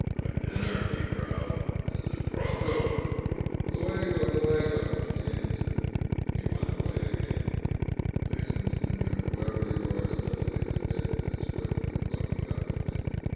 "My dinner," he growled. "Is it pronto? Lv£gOy ItLegoT* she answered. He went away again. "Listen, seiior, whoever you are!" said Elizabetta swiftly, looking up to me.